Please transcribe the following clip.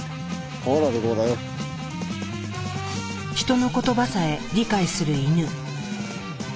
ヒトの言葉さえ理解するイヌ。